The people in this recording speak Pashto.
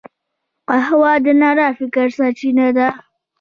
قهوه د رڼا فکر سرچینه ده